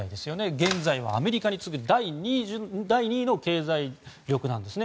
現在はアメリカに次ぐ第２位の経済力なんですね。